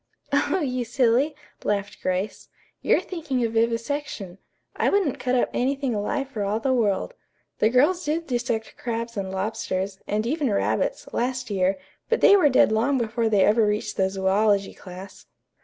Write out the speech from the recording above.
"Oh, you silly," laughed Grace. "You're thinking of vivisection. I wouldn't cut up anything alive for all the world. The girls did dissect crabs and lobsters, and even rabbits, last year, but they were dead long before they ever reached the zoölogy class."